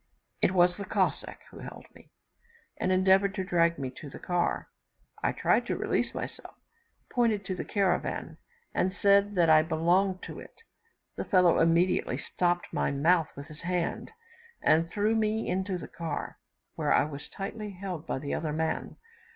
It was the Cossack who held me, and endeavoured to drag me to the car. I tried to release myself, pointed to the caravan, and said that I belonged to it. The fellow immediately stopped my mouth with his hand, and threw me into the car, where I was tightly held by the other man.